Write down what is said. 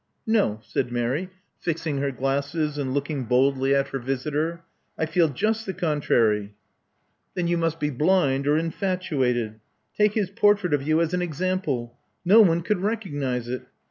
No," said Mary, fixing her glasses and looking boldly at her visitor. '*I feel just the contrary." Then you must be blind or infatuated. Take his portrait of you as an example! No one could recognize it.